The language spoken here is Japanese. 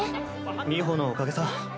流星のおかげさ。